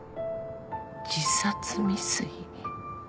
自殺未遂？